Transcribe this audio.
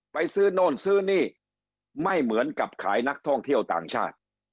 ไปซื้อโน่นซื้อนี่ไม่เหมือนกับขายนักท่องเที่ยวต่างชาติ